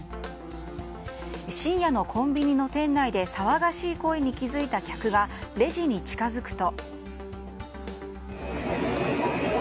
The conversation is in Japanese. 深夜のコンビニの店内で騒がしい声に気付いた客がレジに近づくと。